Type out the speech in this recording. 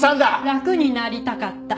「楽になりたかった」。